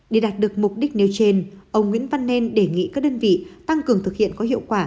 để đạt được mục đích nêu trên ông nguyễn văn nên đề nghị các đơn vị tăng cường thực hiện có hiệu quả